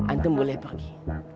anda boleh pergi